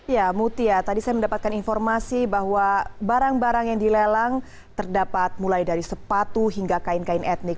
ya mutia tadi saya mendapatkan informasi bahwa barang barang yang dilelang terdapat mulai dari sepatu hingga kain kain etnik